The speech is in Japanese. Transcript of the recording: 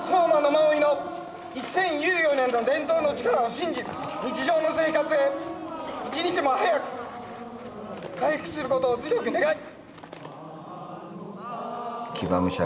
馬追の一千有余年の伝統の力を信じ日常の生活へ一日も早く回復することを強く願い。